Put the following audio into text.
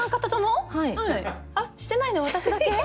してないの私だけ？